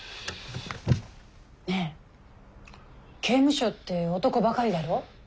ねえ刑務所って男ばかりだろ？